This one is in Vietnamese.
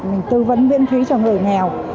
mình tư vấn biễn thúy cho người nghèo